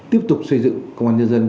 tiếp tục xây dựng công an nhân dân